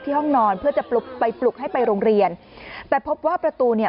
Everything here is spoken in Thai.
ห้องนอนเพื่อจะปลุกไปปลุกให้ไปโรงเรียนแต่พบว่าประตูเนี่ย